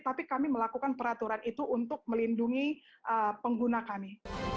tapi kami melakukan peraturan itu untuk melindungi pengguna kami